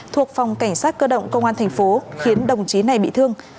thuộc phòng cảnh sát cơ động công an tp khiến đồng chí này bị thương